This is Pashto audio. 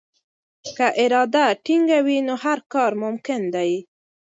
که اراده ټینګه وي نو هر کار ممکن دی.